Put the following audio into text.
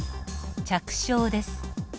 着床です。